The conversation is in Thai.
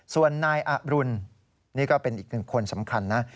ส่วนนายอรุณนี่ก็เป็นอีกหนึ่งคนสำคัญนะ